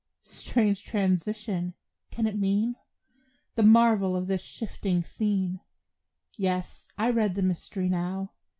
Strange transition! Can it mean? The marvel of this shifting scene Yes, I read the mystery now.